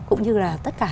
cũng như là tất cả